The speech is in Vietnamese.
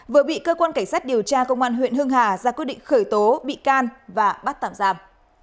vừa bị cơ quan cảnh sát điều tra công an huyện hưng hà ra quyết định khởi tố bị can và bắt tạm giam